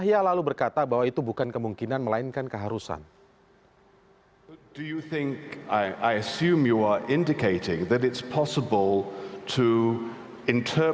retno juga menyampaikan bahwa dia akan menjelaskan keberpihakan indonesia terhadap palestina